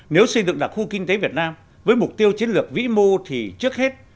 nếu xây dựng đặc khu kinh tế việt nam với mục tiêu chiến lược vĩ mô thì trước hết